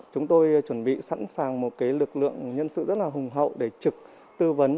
chúng tôi chuẩn bị sẵn sàng một lực lượng nhân sự rất là hùng hậu để trực tư vấn